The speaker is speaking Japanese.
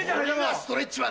ストレッチマン。